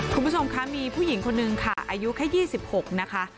คุณผู้ชมคะมีผู้หญิงคนนึงค่ะอายุแค่๒๖นะคะ